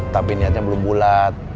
tapi niatnya belum bulat